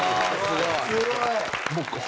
すごい。